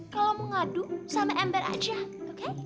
kalau mau ngadu sampe ember aja oke